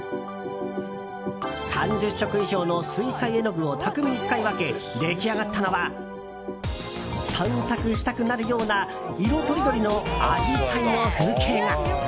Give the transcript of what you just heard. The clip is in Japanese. ３０色以上の水彩絵の具を巧みに使い分け出来上がったのは散策したくなるような色とりどりのアジサイの風景画。